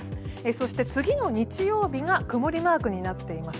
そして、次の日曜日が曇りマークになっています。